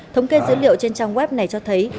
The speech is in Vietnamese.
thống kê dữ liệu trên trang web này cho thông tin